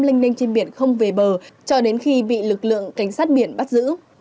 lênh lênh trên biển không về bờ cho đến khi bị lực lượng cảnh sát biển bắt giữ